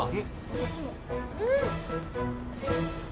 私も。